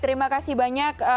terima kasih banyak